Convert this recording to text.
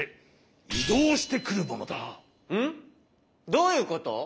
どういうこと？